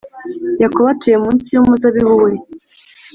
Yakobo atuye munsi y’umuzabibu we